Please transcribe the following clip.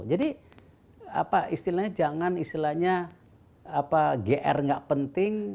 jadi istilahnya jangan istilahnya gr gak penting